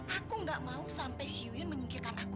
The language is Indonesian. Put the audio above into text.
aku gak mau sampai si yuyun menyingkirkan aku